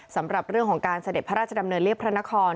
สำหรับเรื่องของการเสด็จพระราชดำเนินเรียบพระนคร